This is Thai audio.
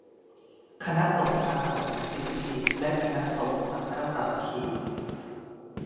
คณะสงฆ์อาสาสันติวืธี และ คณะสงฆ์สังฆะสามัคคี